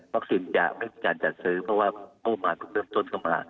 วัคซินจะไม่มีการจัดซื้อเพราะว่าห้องมานเริ่มต้นเข้ามา